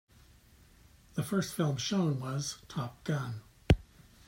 The first film shown was "Top Gun".